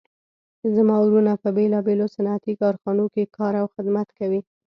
زما وروڼه په بیلابیلو صنعتي کارخانو کې کار او خدمت کوي